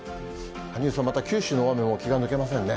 羽生さん、また九州の大雨も気が抜けませんね。